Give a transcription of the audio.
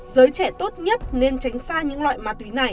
giới trẻ tốt nhất nên tránh xa những loại ma túy này